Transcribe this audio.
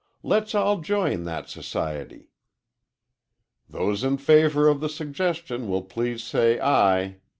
"Let's all join that society." "Those in favor of the suggestion will please say ay."